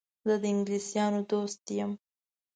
زه د انګلیسیانو دوست یم.